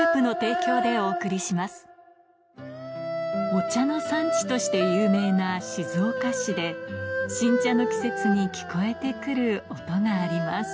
お茶の産地として有名な新茶の季節に聞こえて来る音があります